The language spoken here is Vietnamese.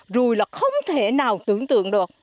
rùi là không thể nào tưởng tượng được